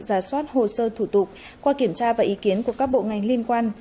giả soát hồ sơ thủ tục qua kiểm tra và ý kiến của các bộ ngành liên quan